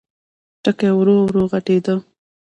ټکی ورو، ورو غټېده.